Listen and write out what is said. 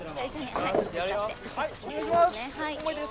はいお願いします。